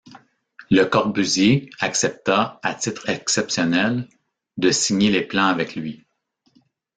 Le Corbusier accepta, à titre exceptionnel, de signer les plans avec lui.